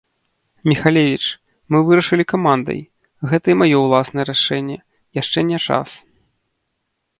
Міхалевіч, мы вырашылі камандай, гэта і маё ўласнае рашэнне, яшчэ не час.